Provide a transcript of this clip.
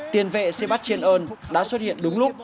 tiền vệ sebat chien on đã xuất hiện đúng lúc